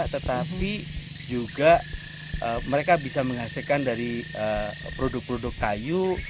tetapi juga mereka bisa menghasilkan dari produk produk kayu